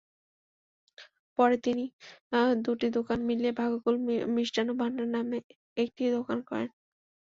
পরে তিনি দুটি দোকান মিলিয়ে ভাগ্যকুল মিষ্টান্ন ভান্ডার নামে একটি দোকান করেন।